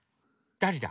だれだ？